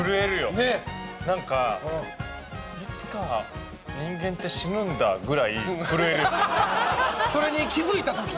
何か、いつか人間って死ぬんだぐらい震えるよね。